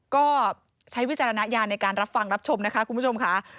ก็ใช้วิจารณญาณในการรับฟังรับชมนะคะคุณผู้ชมค่ะ